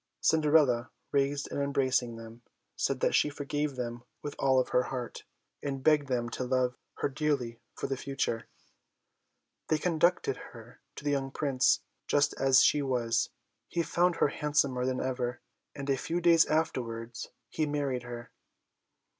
Cinderella raised and embracing them, said that she forgave them with all her heart, and begged them to love her dearly for the future. They conducted her to the young Prince, dressed just as she was. He found her handsomer than ever, and a few days afterwards he married her.